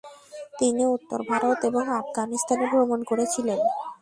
তিনি উত্তর ভারত এবং আফগানিস্তানে ভ্রমণ করেছিলেন।